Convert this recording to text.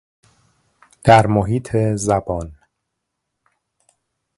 در محیط زبان